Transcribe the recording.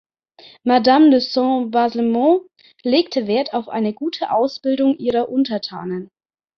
Madame de Saint-Baslemont legte Wert auf eine gute Ausbildung ihrer Untertanen.